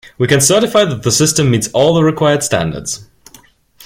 We can certify that the system meets all the required standards.